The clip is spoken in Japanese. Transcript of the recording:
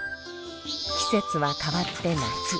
季節は変わって夏。